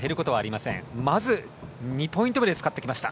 まず２ポイント目で使ってきました。